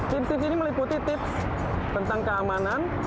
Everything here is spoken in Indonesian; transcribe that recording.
tips tips ini meliputi tips tentang keamanan